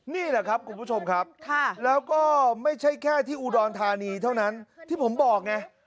นี่แหละครับคุณผู้ชมครับแล้วก็ไม่ใช่แค่ที่อุดรธานีเท่านั้นที่ผมบอกไง